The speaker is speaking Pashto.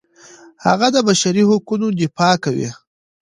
هغه د بشري حقونو دفاع کوي.